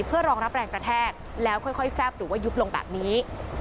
เพื่อรองรับแรงกระแทกแล้วค่อยแซ่บหรือว่ายุบลงแบบนี้